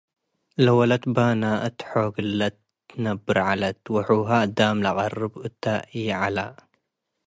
ለወለት በነ' እት ሖግለ'ት ትነብ'ር ዐለት፡ ወሑሀ አዳ'ም ለአቀርብ እተ' ይዐለ።